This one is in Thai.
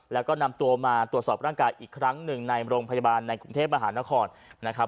แล้วก็นำตัวมาตรวจสอบร่างกายอีกครั้งหนึ่งในโรงพยาบาลในกรุงเทพมหานครนะครับ